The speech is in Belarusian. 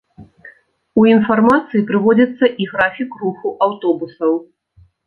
У інфармацыі прыводзіцца і графік руху аўтобусаў.